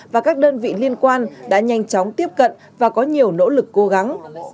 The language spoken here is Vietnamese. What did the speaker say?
và các đơn vị liên quan đã nhanh chóng tiếp cận và có nhiều nỗ lực cố gắng